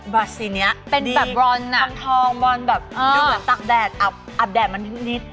สีนี้เป็นแบบรอนอ่ะวังทองบรอนแบบดูเหมือนตากแดดอับแดดมันทึบนิด